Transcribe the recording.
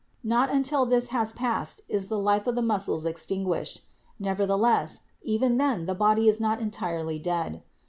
Not until this has passed is the life of the muscles extinguished. Neverthe less, even then the body is not entirely dead.